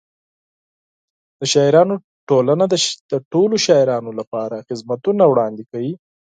د شاعرانو ټولنه د ټولو شاعرانو لپاره خدمتونه وړاندې کوي.